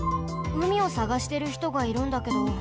うみをさがしてるひとがいるんだけど。